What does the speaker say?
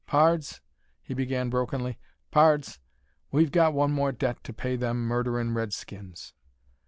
"Pards," he began, brokenly "pards, we've got one more debt to pay them murderin' red skins.